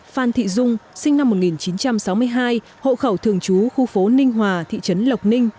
phan thị dung sinh năm một nghìn chín trăm sáu mươi hai hộ khẩu thường trú khu phố ninh hòa thị trấn lộc ninh